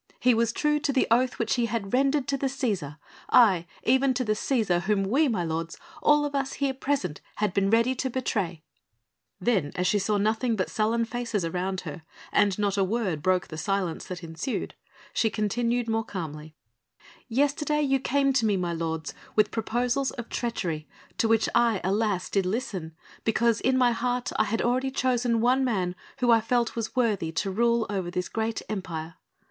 He was true to the oath which he had rendered to the Cæsar; aye, even to the Cæsar whom we, my lords, all of us here present had been ready to betray." Then as she saw nothing but sullen faces around her and not a word broke the silence that ensued, she continued more calmly: "Yesterday you came to me, my lords, with proposals of treachery to which I, alas, did listen because in my heart I had already chosen one man who I felt was worthy to rule over this great Empire.